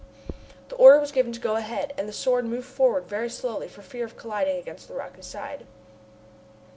The order was given to go ahead, and the Sword moved forward very slowly for fear of colliding against the rocky side.